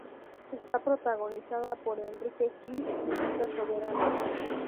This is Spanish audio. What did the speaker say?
Está protagonizada por Enrique Gil y Liza Soberano.